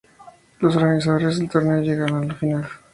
Organizadores del torneo, llegaron a la final.